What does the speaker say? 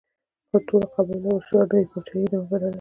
خو ټولو قبایلو او مشرانو یې پاچاهي نه وه منلې.